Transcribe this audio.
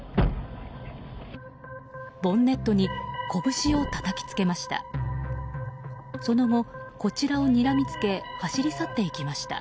ボンネットにこぶしをたたきつけました。